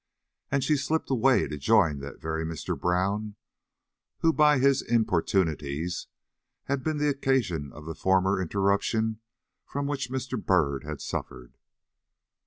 And she slipped away to join that very Mr. Brown who, by his importunities, had been the occasion of the former interruption from which Mr. Byrd had suffered.